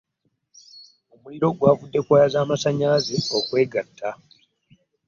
Omuliro gwavudde ku waya z'amasannyalaze okwegata.